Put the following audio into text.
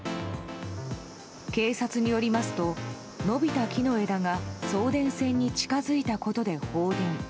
警察によりますと伸びた木の枝が送電線に近づいたことで放電。